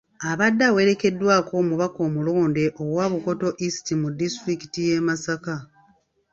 Abadde awerekeddwako omubaka omulonde owa Bukoto East mu disitulikiti y'e Masaka